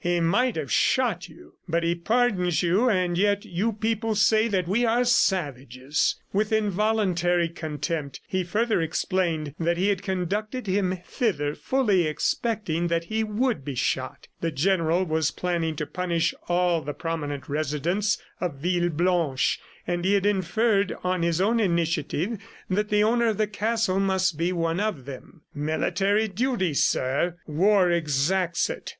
"He might have shot you, but he pardons you and yet you people say that we are savages!" ... With involuntary contempt, he further explained that he had conducted him thither fully expecting that he would be shot. The General was planning to punish all the prominent residents of Villeblanche, and he had inferred, on his own initiative, that the owner of the castle must be one of them. "Military duty, sir. ... War exacts it."